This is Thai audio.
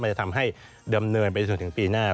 จะทำให้ดำเนินไปจนถึงปีหน้า